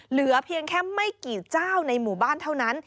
เหลือเพียงแค่ไม่กี่เจ้าในหมู่บ้านเท่านั้น